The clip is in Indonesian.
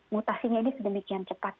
mutasinya ini sedemikian cepat